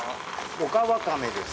オカワカメです。